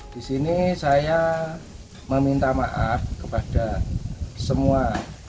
di sini saya meminta maaf kepada semua